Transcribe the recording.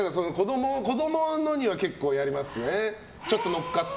子供のには結構やりますね。